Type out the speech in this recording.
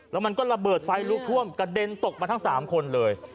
แล้วมันก็ระเบิดไฟลุกท่วมกระเด็นตกมาทั้ง๓คนเลย